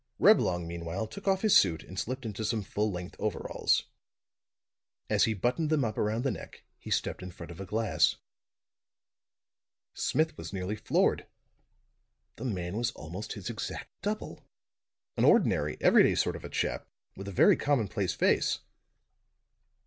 Reblong meanwhile took off his suit and slipped into some full length overalls. As he buttoned them up around the neck he stepped in front of a glass. Smith was nearly floored. The man was almost his exact double; an ordinary, everyday sort of a chap, with a very commonplace face.